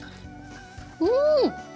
うん。